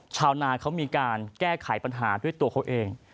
ชาวนาเขามีการแก้ไขปัญหาด้วยตัวเขาเอง